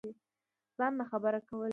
ځان ناخبره كول